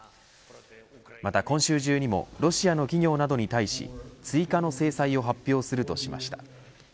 また今週中にもロシアの企業などに対し追加の制裁を発表するとしました。